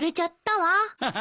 ハハ。